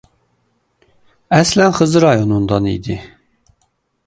Əslən Xızı rayonundan idi.